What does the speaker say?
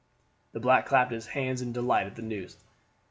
The black clapped his hands in delight at the news.